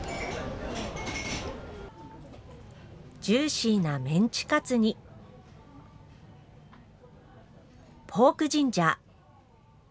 ジューシーなメンチカツにポークジンジャー。